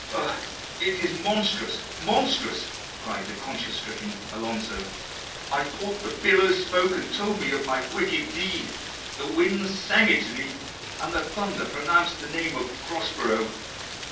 "Oh, it is monstrous, monstrous!" cried the conscience stricken Alonso. "I thought the billows spoke and told me of my wicked deed, the winds sang it to me, and the thunder pronounced the name of 'Prospero.